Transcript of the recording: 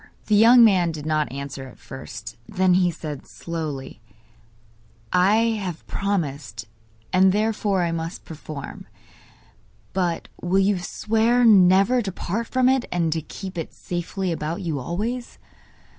The young man did not answer at first; then he said, slowly: 'I have promised, and therefore I must perform. But will you swear never to part from it, and to keep it safely about you always?